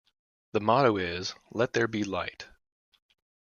The motto is "Let there be Light".